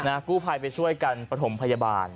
นะครับกุภัยไปช่วยกันปฐมพยาบาล